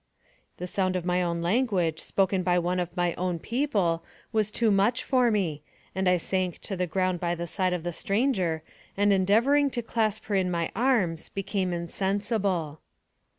" The sound of my own language, spoken by one of my own people, was too much for me, and I sank to the ground by the side of the stranger, and, endeavor ing to clasp her in my arms, became insensible.